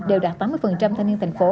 đều đạt tám mươi thanh niên thành phố